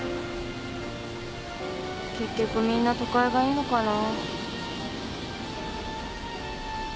結局みんな都会がいいのかな。